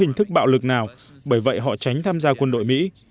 hình thức bạo lực nào bởi vậy họ tránh tham gia quân đội mỹ